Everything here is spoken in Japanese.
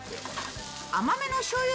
甘めのしょうゆ